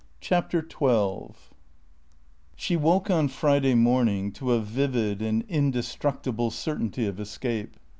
CHAPTER TWELVE She woke on Friday morning to a vivid and indestructible certainty of escape.